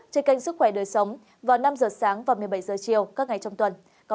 trên kênh sức khỏe đời sống vào năm giờ sáng và một mươi bảy h chiều các ngày trong tuần